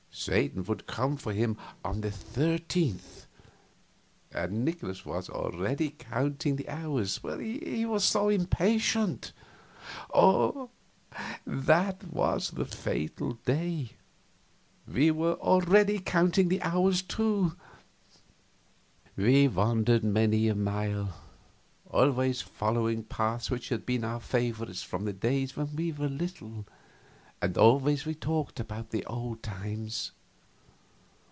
Satan would come for him on the 13th, and Nikolaus was already counting the hours, he was so impatient. That was the fatal day. We were already counting the hours, too. We wandered many a mile, always following paths which had been our favorites from the days when we were little, and always we talked about the old times.